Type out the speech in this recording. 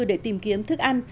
để tìm kiếm thức ăn